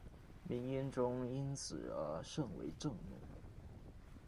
明英宗因此而甚为震怒。